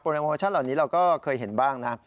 โมชั่นเหล่านี้เราก็เคยเห็นบ้างนะ